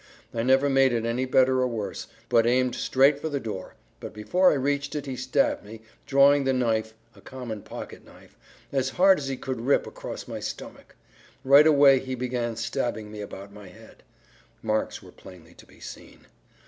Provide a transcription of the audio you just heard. I never made it any better or worse, but aimed straight for the door; but before I reached it he stabbed me, drawing the knife (a common pocket knife) as hard as he could rip across my stomach; right away he began stabbing me about my head," (marks were plainly to be seen).